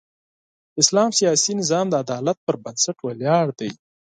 اسلام سیاسي نظام د عدالت پر بنسټ ولاړ دی.